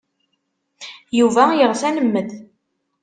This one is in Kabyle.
Yuba yeɣs ad nemmet.